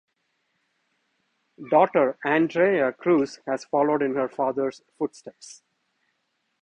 Daughter Andrea Kruis has followed in her father's footsteps.